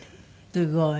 すごい。